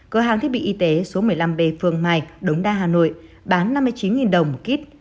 cửa hàng thiết bị y tế số một mươi năm b phường mai đống đa hà nội bán năm mươi chín đồng một kíp